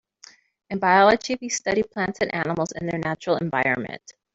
In biology we study plants and animals in their natural environment.